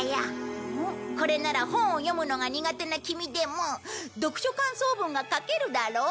これなら本を読むのが苦手なキミでも読書感想文が書けるだろ？